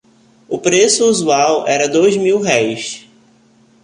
O preço usual era dois mil-réis.